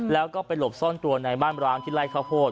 แล้วก็ไปหลบซ่อนตัวในบ้านร้างที่ไล่ข้าวโพด